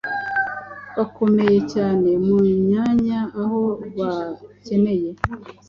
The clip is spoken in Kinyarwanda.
Bakomeye cyane mumyanya aho bakeneye